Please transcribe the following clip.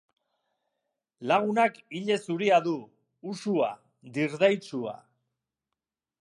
Lagunak ile zuria du, usua, dirdaitsua.